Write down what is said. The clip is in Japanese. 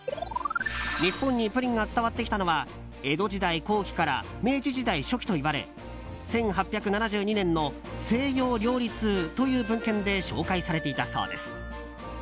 日本にプリンが伝わってきたのは江戸時代後期から明治時代初期といわれ１８７２年の「西洋料理通」という文献で紹介されていたそうです。